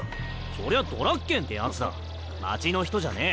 そりゃドラッケンってヤツだ町の人じゃねえ。